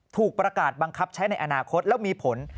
ถูกประกาศบังคับใช้ในอนาคตแล้วมีผล